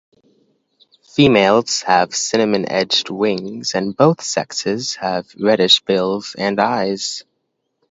Females have cinnamon-edged wings and both sexes have reddish bills and eyes.